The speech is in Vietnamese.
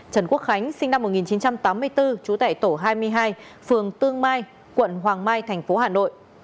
trần quốc khánh sinh năm một nghìn chín trăm tám mươi bốn trú tại tổ hai mươi hai phường tương mai quận hoàng mai thành phố hà nội